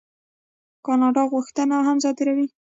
کاناډا غوښه هم صادروي.